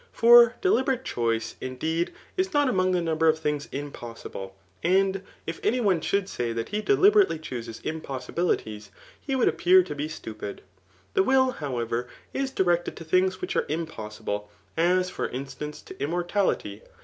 For deliberate choice, iOp deed, is not among the number of things impossible ; and if any one should say that he deliberately chooses im possibilities, he would appear to be stupid. The wiU^ however, is directed to things which are impossible, as^ for instance, to immortality.